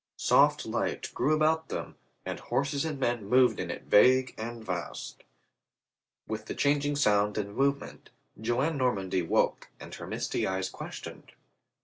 Soft light grew about them and horses and men moved in it vague and vast. With the changing sound and 314 COLONEL GREATHEART movement Joan Normandy woke and her misty eyes questioned.